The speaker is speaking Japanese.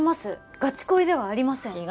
ガチ恋ではありません違